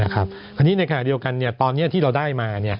คราวนี้ในขณะเดียวกันตอนนี้ที่เราได้มา